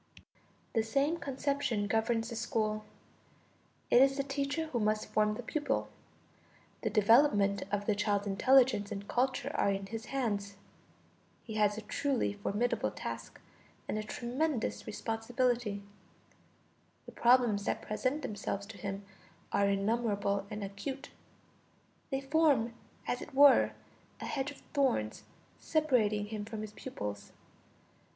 The same conception governs the school: it is the teacher who must form the pupil; the development of the child's intelligence and culture are in his hands. He has a truly formidable task and a tremendous responsibility. The problems that present themselves to him are innumerable and acute; they form as it were a hedge of thorns separating him from his pupils.